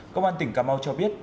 công an tỉnh cà mau cho biết